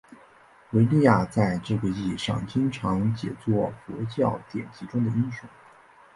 雅利亚在这个意义上经常解作佛教典籍中的英雄。